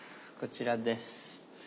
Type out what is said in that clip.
こちらです。